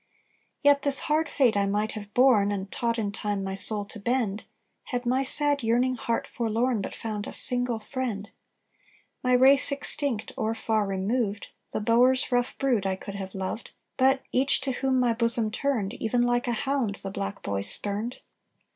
"Yet this hard fate I might have borne, And taught in time my soul to bend, Had my sad yearning heart forlorn But found a single friend: My race extinct or far removed, The Boer's rough brood I could have loved; But each to whom my bosom turned Even like a hound the black boy spurned.